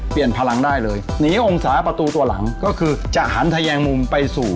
พลังได้เลยหนีองศาประตูตัวหลังก็คือจะหันทะแยงมุมไปสู่